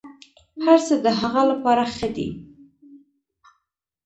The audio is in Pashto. هرڅه د هغه لپاره ښه دي.